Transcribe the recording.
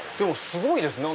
すごいです！